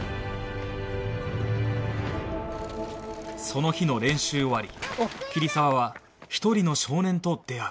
その日の練習終わり桐沢は一人の少年と出会う